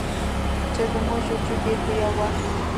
چې زموږ وجود یې په یوه وخت